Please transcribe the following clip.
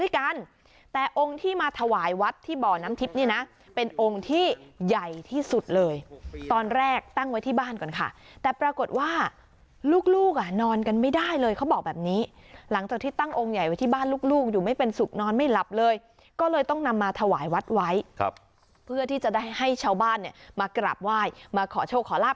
กันแต่องค์ที่มาถวายวัดที่บ่อน้ำทิพย์เนี่ยนะเป็นองค์ที่ใหญ่ที่สุดเลยตอนแรกตั้งไว้ที่บ้านก่อนค่ะแต่ปรากฏว่าลูกลูกอ่ะนอนกันไม่ได้เลยเขาบอกแบบนี้หลังจากที่ตั้งองค์ใหญ่ไว้ที่บ้านลูกลูกอยู่ไม่เป็นสุขนอนไม่หลับเลยก็เลยต้องนำมาถวายวัดไว้ครับเพื่อที่จะได้ให้ชาวบ้านเนี่ยมากราบไหว้มาขอโชคขอลาบ